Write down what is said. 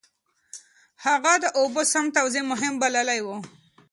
هغه د اوبو سم توزيع مهم بللی و.